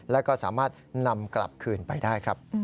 แล้วก็สามารถนำกลับคืนไปได้ครับ